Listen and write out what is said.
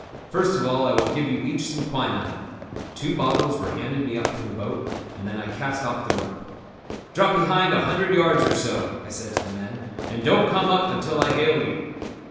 First of all I will give you each some quinine." Two bottles were handed me up from the boat, and then I cast off the rope. "Drop behind a hundred yards or so," I said to the men, "and don't come up until I hail you."